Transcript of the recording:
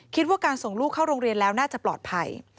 คิดว่าการส่งลูกเข้าโรงเรียนแล้วน่าจะปลอดภัย